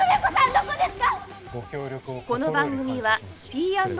どこですか！？